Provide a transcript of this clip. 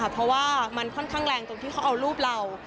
ได้ค่อนข้างแรงแหลงว่าเค้าเอารูปเรา